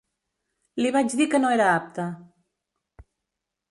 Li vaig dir que no era apte.